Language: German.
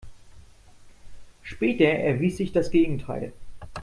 Später erwies sich das Gegenteil.